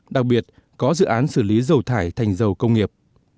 đặc biệt có dự án xử lý dầu thải thành dầu công nghiệp